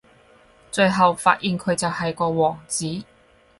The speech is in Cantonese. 最後發現佢就係個王子